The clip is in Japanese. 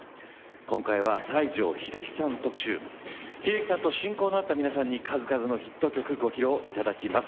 今回は西城秀樹さん特集。秀樹さんと親交のあった皆さんに数々のヒット曲ご披露いただきます。